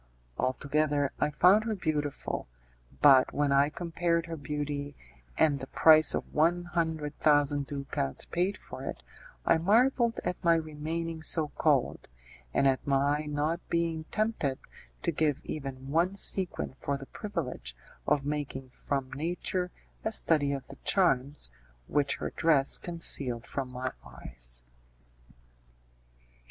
Altogether I found her beautiful, but when I compared her beauty and the price of one hundred thousand ducats paid for it, I marvelled at my remaining so cold, and at my not being tempted to give even one sequin for the privilege of making from nature a study of the charms which her dress concealed from my eyes.